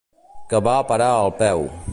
Que va a parar al peu.